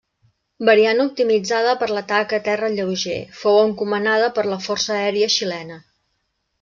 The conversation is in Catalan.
Variant optimitzada per l'atac a terra lleuger, fou encomanada per la Força Aèria Xilena.